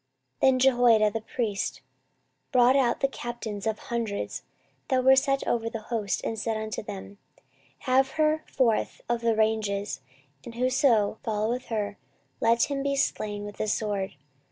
14:023:014 Then Jehoiada the priest brought out the captains of hundreds that were set over the host, and said unto them, Have her forth of the ranges: and whoso followeth her, let him be slain with the sword.